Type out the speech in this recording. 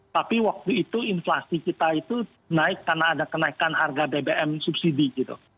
tapi waktu itu inflasi kita itu naik karena ada kenaikan harga bbm subsidi gitu